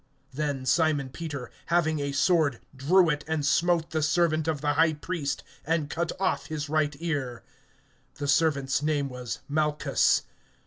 (10)Then Simon Peter, having a sword, drew it and smote the servant of the high priest, and cut off his right ear. The servant's name was Malchus.